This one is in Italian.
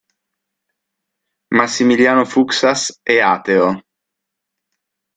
Massimiliano Fuksas è ateo.